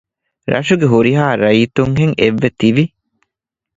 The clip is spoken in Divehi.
ރަށުގެ ހުރިހާ ރައްޔިތުންހެން އެއްވެ ތިވި